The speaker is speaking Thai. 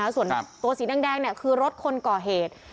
ส่วนตัวสีแดงคือรถคนก่อเหตุ